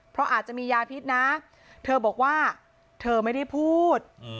เพราะอาจจะมียาพิษนะเธอบอกว่าเธอไม่ได้พูด